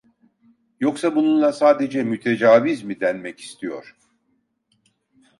Yoksa bununla sadece mütecaviz mi denmek istiyor?